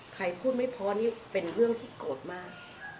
ใครพูดไม่เพราะนี่เป็นเรื่องที่โกรธมาก